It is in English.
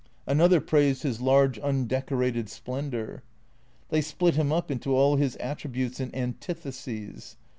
Another praised " his large undecorated splendour." They split him up into all his attributes and an titheses.